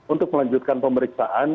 untuk melanjutkan pemeriksaan